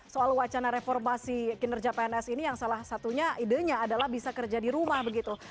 soal wacana reformasi kinerja pns ini yang salah satunya idenya adalah bisa kerja di rumah begitu